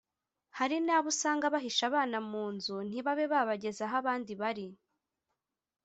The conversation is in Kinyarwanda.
Hari n’abo usanga bahisha abana mu nzu ntibabe babageza aho abandi bari